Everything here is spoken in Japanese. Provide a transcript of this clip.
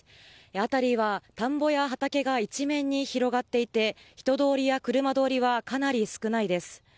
辺りは田んぼや畑が一面に広がっていて人通りや車通りはかなり少ないです。